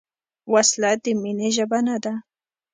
وسله د مینې ژبه نه ده